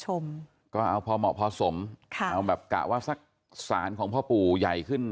ชมก็เอาพอเหมาะพอสมค่ะเอาแบบกะว่าสักสารของพ่อปู่ใหญ่ขึ้น